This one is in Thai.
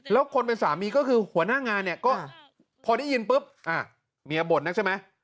แล้วคนเป็นสามีก็คือหัวหน้างานเนี่ยก็พอได้ยินปุ๊บเมียบ่นนักใช่ไหม